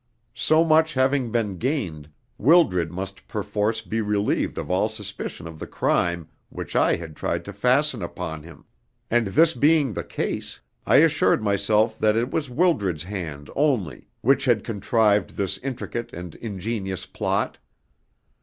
So much having been gained, Wildred must perforce be relieved of all suspicion of the crime which I had tried to fasten upon him, and this being the case, I assured myself that it was Wildred's hand only which had contrived this intricate and ingenious plot.